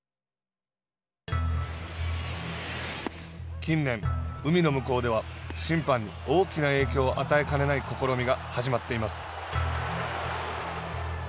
近年、海の向こうでは審判に大きな影響を与えかねない試みが始まっています。